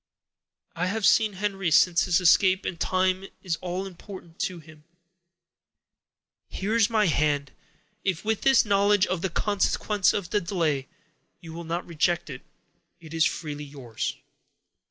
I have seen Henry since his escape, and time is all important to him. Here is my hand; if, with this knowledge of the consequences of delay, you will not reject it, it is freely yours."